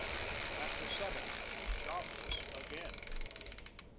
CHAPTER VII. JOBLESS AGAIN.